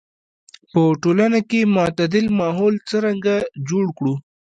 په ټولنه کې معتدل ماحول څرنګه جوړ کړو.